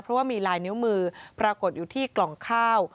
เพราะว่ามีลายนิ้วมือปรากฏอยู่ที่กล่องข้าว